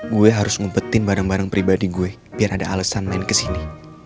gue harus ngumpetin barang barang pribadi gue biar ada alasan main kesini